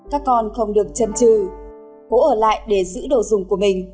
các con không được chân trừ hỗ ở lại để giữ đồ dùng